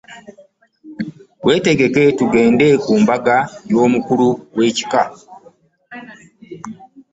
Wetegeke tugende ku mbaga y'amukulu wekika.